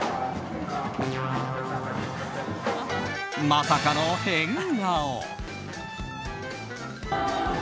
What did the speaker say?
まさかの変顔。